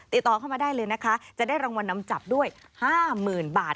ติดต่อเข้ามาได้เลยนะคะจะได้รางวัลนำจับด้วย๕๐๐๐บาท